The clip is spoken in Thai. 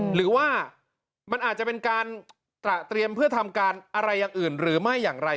หรือว่ามันอาจจะเป็นการตระเตรียมเพื่อทำการอะไรอย่างอื่นหรือไม่อย่างไร